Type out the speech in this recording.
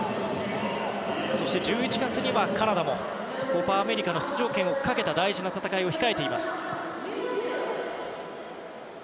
そして１１月にはカナダもコパ・アメリカの出場権をかけた大事な戦いが控えています。